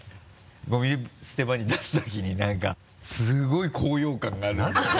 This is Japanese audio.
ゴミ捨て場に出す時に何かすごい高揚感があるんだよね。